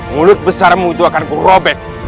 mulut besarmu itu akan kuru robek